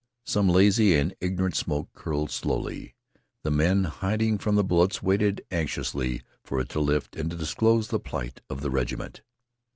Some lazy and ignorant smoke curled slowly. The men, hiding from the bullets, waited anxiously for it to lift and disclose the plight of the regiment.